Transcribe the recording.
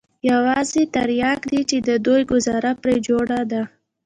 يوازې ترياک دي چې د دوى گوزاره پرې جوړه ده.